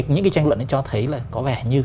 những tranh luận đó cho thấy là có vẻ như